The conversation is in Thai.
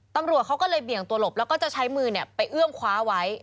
ตำรวจเขาก็เลยเบี่ยงตัวหลบแล้วก็จะใช้มือไปเอื้อมคว้าไว้